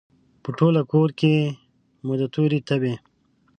په ټوله کورکې کې مو د تورې تبې،